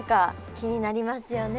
気になりますよね。